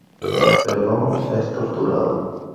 Perdomo es torturado.